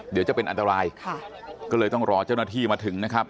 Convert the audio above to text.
เดี๋ยวจะเป็นอันตรายค่ะก็เลยต้องรอเจ้าหน้าที่มาถึงนะครับ